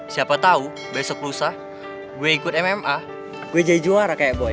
siapa tahu besok lusa gue ikut mma gue jadi juara kayak boy